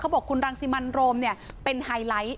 เขาบอกว่าคุณรังสิมันโรมเป็นไฮไลท์